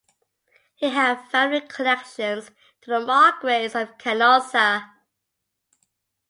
He had family connections to the Margraves of Canossa.